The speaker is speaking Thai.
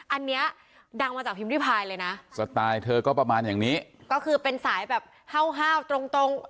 อันนี้ดังมาจากพิมพิพายเลยนะสไตล์เธอก็ประมาณอย่างนี้ก็คือเป็นสายแบบห้าวห้าวตรงตรง